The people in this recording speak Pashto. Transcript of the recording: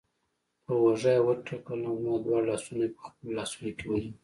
پر اوږه یې وټکولم او زما دواړه لاسونه یې په خپلو لاسونو کې ونیول.